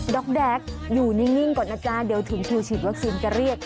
็อกแด๊กอยู่นิ่งก่อนนะจ๊ะเดี๋ยวถึงคิวฉีดวัคซีนจะเรียก